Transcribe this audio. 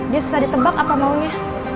dia susah ditebak apa maunya